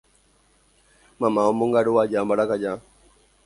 mamá omongaru aja mbarakaja